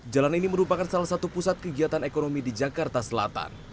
jalan ini merupakan salah satu pusat kegiatan ekonomi di jakarta selatan